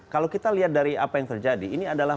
kalau kita lihat dari apa yang terjadi ini adalah